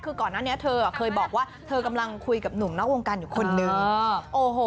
คือก่อนหน้านี้เธอเคยบอกว่าเธอกำลังคุยกับหนุ่มนอกวงการอยู่คนนึงโอ้โห